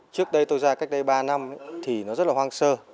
trước đây tôi ra cách đây ba năm thì nó rất là hoang sơ